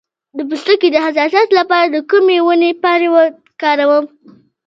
د پوستکي د حساسیت لپاره د کومې ونې پاڼې وکاروم؟